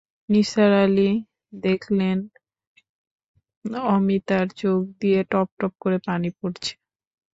নিসার আলি দেখলেন, অমিতার চোখ দিয়ে টপটপ করে পানি পড়ছে।